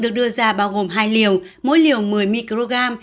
được đưa ra bao gồm hai liều mỗi liều một mươi microgram